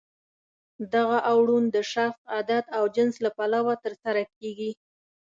دغه اوړون د شخص، عدد او جنس له پلوه ترسره کیږي.